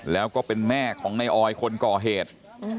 แล้วก็เป็นแม่ของนายออยคนก่อเหตุ